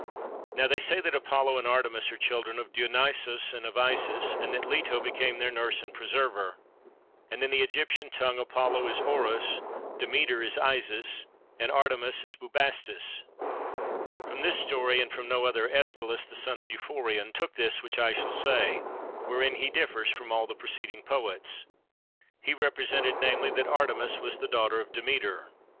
Now they say that Apollo and Artemis are children of Dionysos and of Isis, and that Leto became their nurse and preserver; and in the Egyptian tongue Apollo is Oros, Demeter is Isis, and Artemis is Bubastis. From this story and from no other AEschylus the son of Euphorion took this which I shall say, wherein he differs from all the preceding poets; he represented namely that Artemis was the daughter of Demeter.